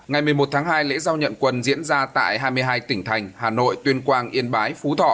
ngày một mươi một tháng hai lễ giao nhận quân diễn ra tại hai mươi hai tỉnh thành hà nội tuyên quang yên bái phú thọ